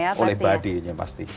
ya oleh body nya pasti